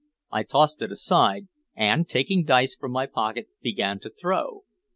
I tossed it aside, and, taking dice from my pocket, began to throw.